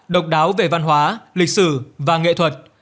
độc đáo về văn hóa lịch sử và nghệ thuật